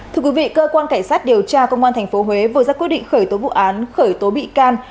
thưa quý vị cơ quan cảnh sát điều tra công an tp huế vừa ra quyết định khởi tố vụ án khởi tố bị can